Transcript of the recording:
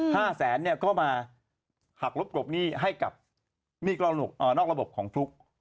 แสนเนี่ยก็มาหักลบกลบหนี้ให้กับหนี้นอกระบบของฟลุ๊ก